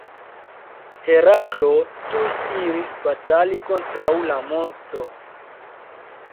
Heraklo tuj iris batali kontraŭ la monstro.